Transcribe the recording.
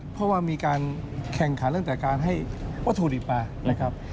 เพราะว่ามีการแข่งขันตั้งแต่การให้วัตถุดิบมานะครับ